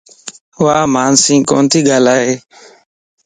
وامانسين ڪوتي ڳالھائي